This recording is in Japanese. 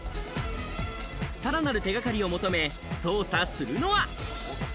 さらなる手掛かりを求め、捜査するのは。